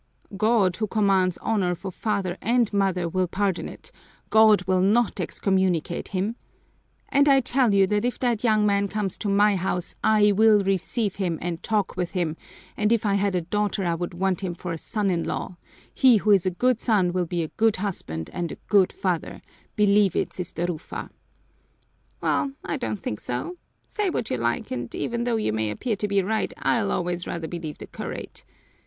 "God, who commands honor for father and mother, will pardon it, God will not excommunicate him! And I tell you that if that young man comes to my house I will receive him and talk with him, and if I had a daughter I would want him for a son in law; he who is a good son will be a good husband and a good father believe it, Sister Rufa!" "Well, I don't think so. Say what you like, and even though you may appear to be right, I'll always rather believe the curate.